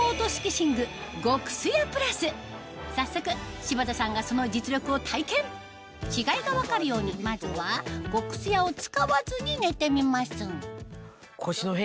早速柴田さんがその実力を体験違いが分かるようにまずは「極すや」を使わずに寝てみます